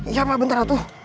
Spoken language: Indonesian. iya pak bentar